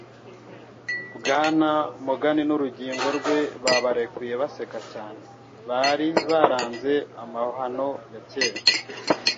Bwana Morgan n'urugingo rwe babarekuye baseka cyane, bari baranze amahano ya kera